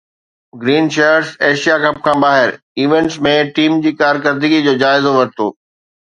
green Shirts Asia Cup کان ٻاهر events ۾ team جي ڪارڪردگي جو جائزو ورتو